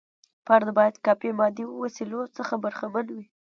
فرد باید کافي مادي وسیلو څخه برخمن وي.